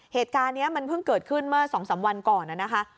เหตุการณ์นี้มันเพิ่งเกิดขึ้นเมื่อ๒๓วันก่อนนะคะ